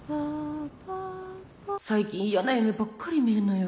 最近やな夢ばっかり見るのよ。